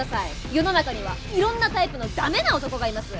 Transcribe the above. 世の中にはいろんなタイプのダメな男がいます。